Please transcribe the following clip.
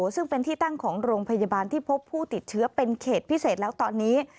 ซึ่งเป็นที่ตั้งของโรงพยาบาลที่พบผู้ติดเชื้อเป็นเขตพิเศษแล้วตอนนี้